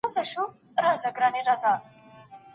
ورزش مو د ذهني فشار څخه ژغوري.